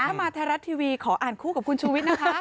ถ้ามาทะเลาะทีวีขออ่านคู่กับคุณชุวิตนะคะ